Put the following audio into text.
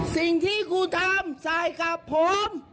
สิ่งที่กูทำใส่กับผม